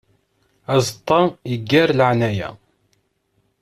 Aẓeṭṭa iggar laɛnaya.